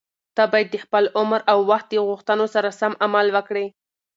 ته باید د خپل عمر او وخت د غوښتنو سره سم عمل وکړې.